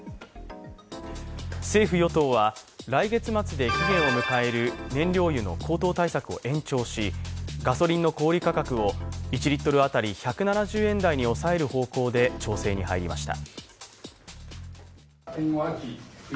政府・与党は来月末で期限を迎える燃料油の高騰対策を延長しガソリンの小売価格を１リットル当たり１７０円台に抑える方向で調整に入りました。